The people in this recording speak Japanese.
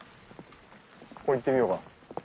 ここ行ってみようか。